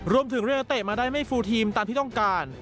รวมถึงเรียกนักเตะมาได้ไม่ฟูลทีมตามที่ต้องการ